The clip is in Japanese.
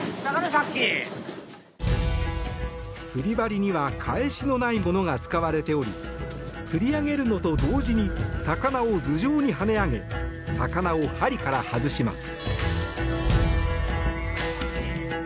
釣り針には返しのないものが使われておりつり上げるのと同時に魚を頭上に跳ね上げ魚を針から外します。